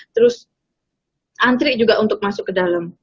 terus antri juga untuk masuk ke dalam